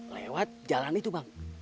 lewat jalan itu bang